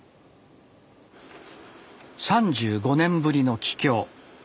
３５年ぶりの帰郷。